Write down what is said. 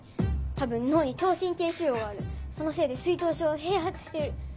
多分脳に聴神経腫瘍があるそのせいで水頭症を併発してる。